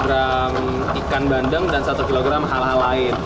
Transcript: jadi perbandingannya satu kg ikan bandeng dan satu kg hal hal lain